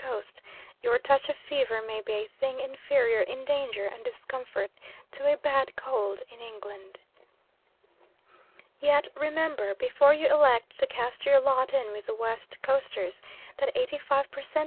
Coast your touch of fever may be a thing inferior in danger and discomfort to a bad cold in England. Yet remember, before you elect to cast your lot in with the West Coasters, that 85 per cent.